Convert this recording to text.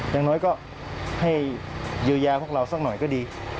อย่างน้อยก็ให้เยียวยาพวกเราสักหน่อยก็ดี